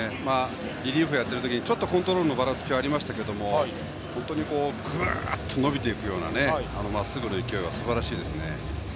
リリーフをやっている時はちょっとコントロールのばらつきがありましたが本当にぐっと伸びていくようなまっすぐの勢いはすばらしいですね。